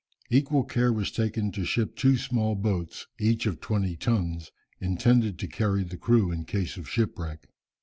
Equal care was taken to ship two small boats, each of twenty tons, intended to carry the crew in case of shipwreck.